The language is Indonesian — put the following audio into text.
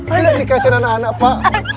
ayo dikasih anak anak pak